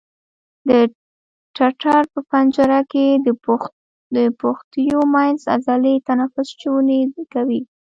د ټټر په پنجره کې د پښتیو منځ عضلې تنفس شونی کوي.